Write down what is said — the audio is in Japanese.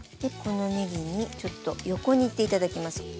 このねぎにちょっと横に行って頂きます。